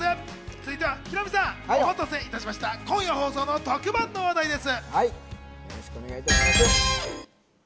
続いてはヒロミさん、お待たせしました、今夜放送の特番の話題です。